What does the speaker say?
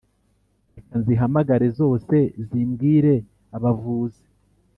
Reka nzihamagare zose zimbwire abavuzi